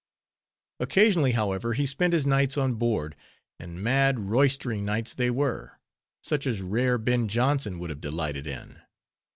Occasionally, however, he spent his nights on board; and mad, roystering nights they were, such as rare Ben Jonson would have delighted in.